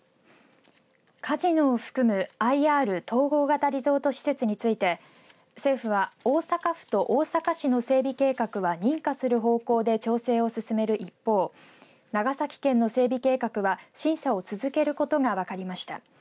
カジノを含むＩＲ、統合型リゾート施設について政府は大阪府と大阪市の整備計画を認可する方向で調整を進める一方長崎県の整備計画は審査を続けることが分かりました。